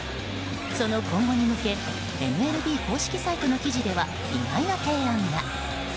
その今後に向けＭＬＢ公式サイトの記事では意外な提案が。